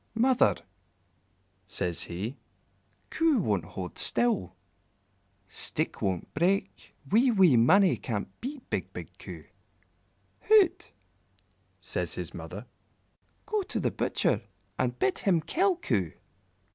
"Mother," says he, "Coo won't hold still, stick won't break, wee, wee Mannie can't beat big, big Coo." "Hout!" says his mother, "go to the Butcher and bid him kill Coo."